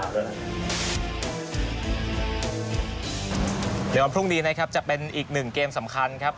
เดี๋ยวในวันพรุ่งนี้นะครับจะเป็นอีกหนึ่งเกมสำคัญครับ